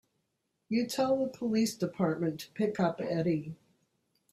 You tell the police department to pick up Eddie.